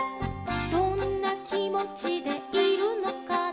「どんなきもちでいるのかな」